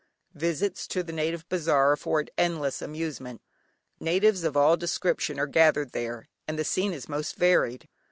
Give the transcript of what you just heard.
Visits to the native bazaar afford endless amusement. Natives of all descriptions are gathered there, and the scene is most varied.